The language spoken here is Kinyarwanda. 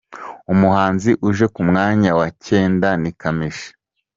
umuhanzi uje ku mwanya wa cyenda ni Kamichi.